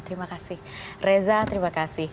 terima kasih reza terima kasih